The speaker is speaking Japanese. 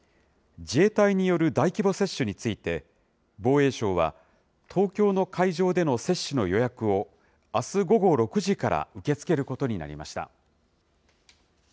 自衛隊による大規模接種について、防衛省は東京の会場での接種の予約を、あす午後６時から受け付けることになりました。